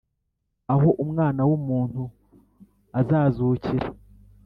Aho umwana w umuntu azazukira